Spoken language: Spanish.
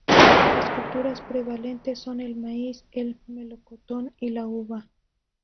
Las culturas prevalentes son el maíz, el melocotón y la uva.